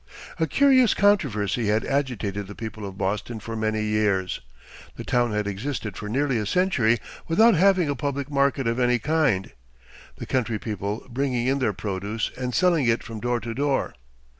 A curious controversy had agitated the people of Boston for many years. The town had existed for nearly a century without having a public market of any kind, the country people bringing in their produce and selling it from door to door.